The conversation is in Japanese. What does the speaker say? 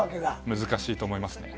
難しいと思います。